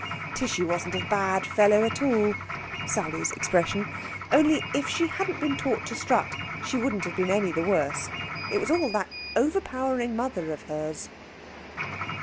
Tishy wasn't a bad fellow at all (Sally's expression), only, if she hadn't been taught to strut, she wouldn't have been any the worse. It was all that overpowering mother of hers!